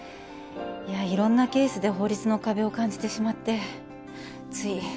いやいろんなケースで法律の壁を感じてしまってつい。